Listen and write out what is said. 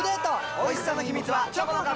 おいしさの秘密はチョコの壁！